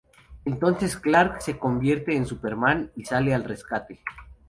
Entonces Clark se convierte en Superman y sale al rescate.